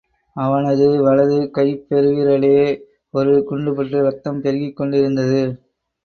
அவனது வலது கைப் பெருவிரலிலே ஒரு குண்டுபட்டு இரத்தம் பெருகிக் கொண்டிருந்தது.